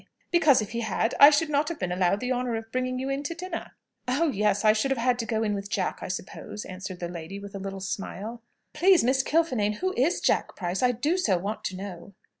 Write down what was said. "Because, if he had, I should not have been allowed the honour of bringing you in to dinner." "Oh yes! I should have had to go in with Jack, I suppose," answered the lady with a little smile. "Please, Miss Kilfinane, who is Jack Price? I do so want to know!"